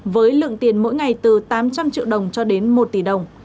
với lượng tiền mỗi ngày từ tám trăm linh triệu đồng cho đến một tỷ đồng